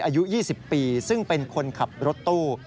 อายุ๒๐ปีซึ่งเป็นคนขับรถตู้